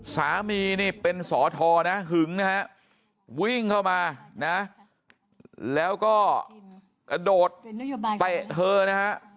สามีนี่เป็นสอทอนะหึงนะฮะวิ่งเข้ามานะแล้วก็กระโดดเตะเธอนะฮะ